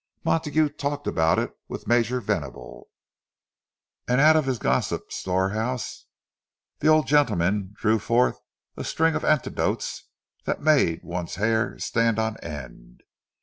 Montague talked about it with Major Venable; and out of his gossip storehouse the old gentleman drew forth a string of anecdotes that made one's hair stand on end.